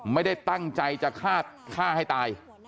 ไม่ได้ตั้งใจจะฆ่าให้ตาย